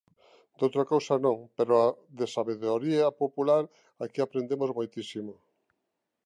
Doutra cousa non, pero de sabedoría popular aquí aprendemos moitísimo.